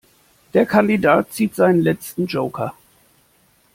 Der Kandidat zieht seinen letzten Joker.